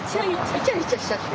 いちゃいちゃしちゃって。